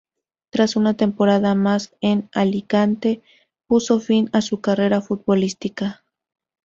Tras una temporada más en Alicante, puso fin a su carrera futbolística.